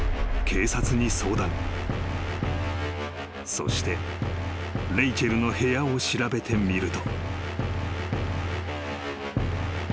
［そしてレイチェルの部屋を調べてみると］